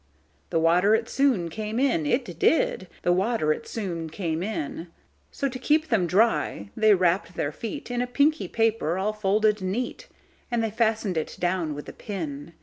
The water it soon came in, it did; The water it soon came in:So, to keep them dry, they wrapp'd their feetIn a pinky paper all folded neat:And they fasten'd it down with a pin.